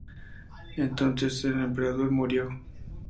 Entonces el emperador murió.